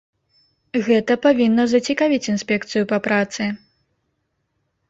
Гэта павінна зацікавіць інспекцыю па працы.